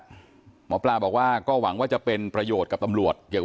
หมอปลาบอกว่าก็หวังว่าจะเป็นประโยชน์กับตำรวจเกี่ยว